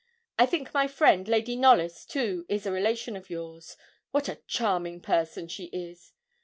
I think my friend, Lady Knollys, too, is a relation of yours; what a charming person she is!'